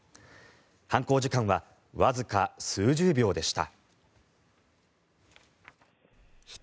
犯行時間はわずか数十秒でした。